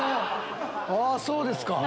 そうですか！